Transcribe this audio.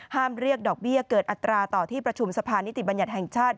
เรียกดอกเบี้ยเกิดอัตราต่อที่ประชุมสะพานนิติบัญญัติแห่งชาติ